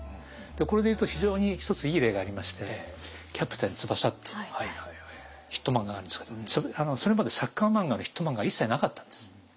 これで言うと非常に一ついい例がありまして「キャプテン翼」っていうヒット漫画があるんですけどそれまでサッカー漫画のヒット漫画は一切なかったんです。